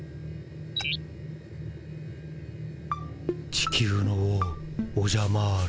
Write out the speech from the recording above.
地球の王オジャマール。